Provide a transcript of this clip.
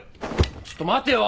ちょっと待てよ！